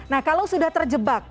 nah kalau sudah terjebak